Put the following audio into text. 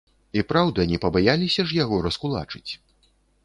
І праўда, не пабаяліся ж яго раскулачыць.